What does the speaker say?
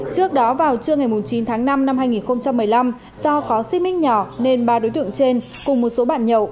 trước đó vào trưa ngày chín tháng năm năm hai nghìn một mươi năm do có xi mít nhỏ nên ba đối tượng trên cùng một số bạn nhậu